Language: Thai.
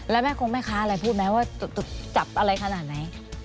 แล้วแม่คงแม่ค้าอะไรพูดไหมว่าจับอะไรขนาดไหน